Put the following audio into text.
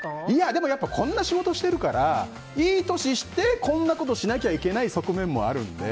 でもこんな仕事してるからいい年してこんなことしなきゃいけない側面もあるので。